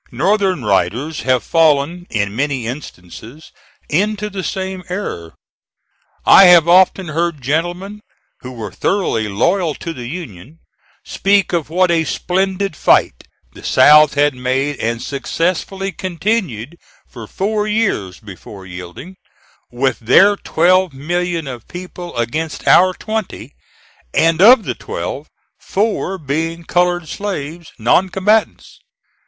Northern writers have fallen, in many instances, into the same error. I have often heard gentlemen, who were thoroughly loyal to the Union, speak of what a splendid fight the South had made and successfully continued for four years before yielding, with their twelve million of people against our twenty, and of the twelve four being colored slaves, non combatants.